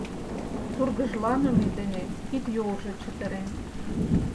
Тургыжланыме дене кид-йолжо чытырен.